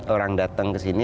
orang datang ke sini